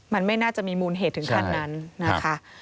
มันไม่น่าจะมีมูลเหตุถึงขั้นนั้นนะคะ